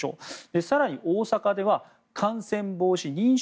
更に、大阪では感染防止認証